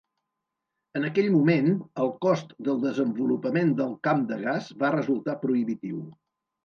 En aquell moment, el cost del desenvolupament del camp de gas va resultar prohibitiu.